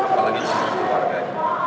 apalagi soal keluarganya